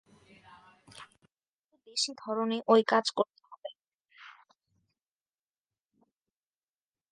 কিন্তু দেশী ধরনে ঐ কাজ করতে হবে।